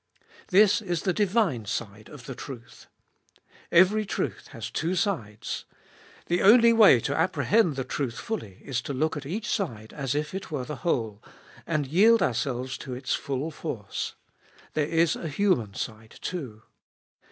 This is the divine side of the truth. Every truth has two sides. The only way to apprehend the truth fully is to look at each side as if it were the whole, and yield ourselves to its full force. There is a human side too.